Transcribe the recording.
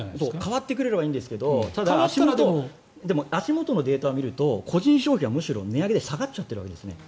変わってくれればいいですがでも足元のデータを見ると個人消費はむしろ値上げで下がっちゃってるんです。